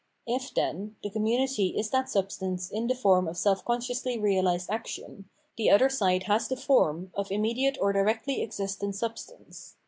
If, then, the community is that sub stance in the form of self consciously realised action, the other side has the form of immediate or directly existent substance.